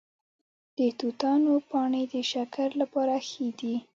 د توتانو پاڼې د شکر لپاره ښې دي؟